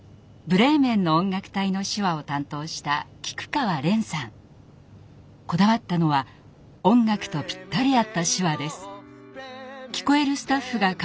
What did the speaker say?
「ブレーメンのおんがくたい」の手話を担当したこだわったのは音楽とぴったり合った手話です。